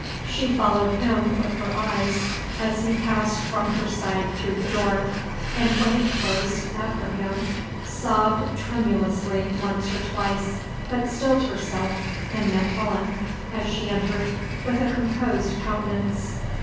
She followed him with her eyes as he passed from her sight through the door, and when it closed after him sobbed tremulously once or twice, but stilled herself, and met Helen, as she entered, with a composed countenance.